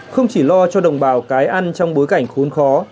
không chỉ lo cho đồng bào cái ăn trong bối cảnh khốn khó